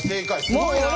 すごいな！